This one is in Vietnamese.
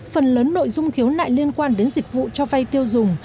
phần lớn nội dung khiếu nại liên quan đến dịch vụ cho vay tiêu dùng